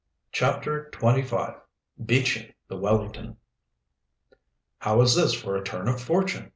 CHAPTER XXV. BEACHING THE "WELLINGTON" "How is this for a turn of fortune?"